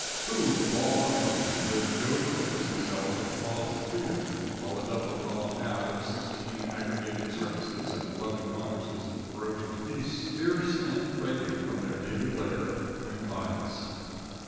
Who, of all our company, would go to a prison cell for the cause of freedom while a double column ad. of sixteen aggregated circuses, and eleven congresses of ferocious beasts, fierce and fragrant from their native lair, went by us?